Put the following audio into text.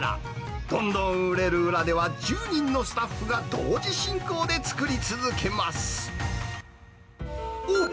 どんどん売れる裏では、１０人のスタッフが同時進行で作り続けます。